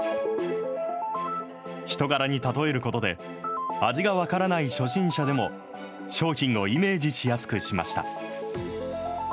人柄に例えることで、味が分からない初心者でも、商品をイメージしやすくしました。